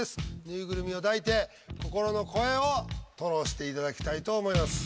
ぬいぐるみを抱いて心の声を吐露していただきたいと思います。